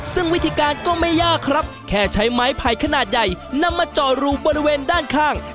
ซึ่งวิธีการก็ไม่ยากครับแค่ใช้ไม้ไผ่ขนาดใหญ่นำมาจ่อรูบริเวณด้านข้าง